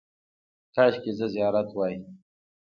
– کاشکې زه زیارت وای.